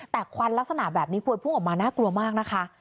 แต่ควันลักษณะแบบนี้พวยพุ่งออกมาน่ากลัวมากนะคะ